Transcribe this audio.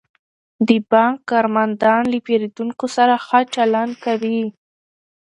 د بانک کارمندان له پیرودونکو سره ښه چلند کوي.